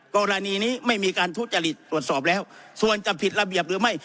กรณีนี้ไม่มีการทุจริตตรวจสอบแล้วส่วนจะผิดระเบียบหรือไม่